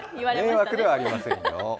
迷惑ではありませんよ。